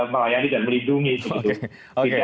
melayani dan melindungi tidak